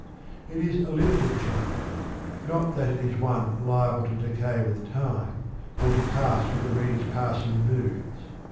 It is a limited charm : not that it is one liable to decay with time, or to pass with the reader's passing moods.